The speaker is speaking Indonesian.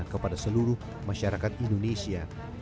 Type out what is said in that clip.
kepada seluruh masyarakat indonesia